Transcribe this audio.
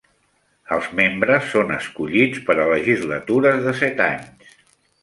Els membres són escollits per a legislatures de set anys.